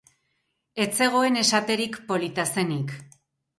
Ez zegoen esaterik polita zenik.